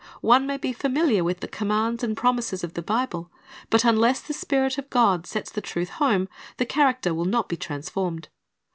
One may be familiar with the commands and promises of the Bible; but unless the Spirit of God sets the truth home, the character will not be transformed.